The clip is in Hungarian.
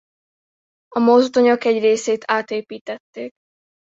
A mozdonyok egy részét átépítették.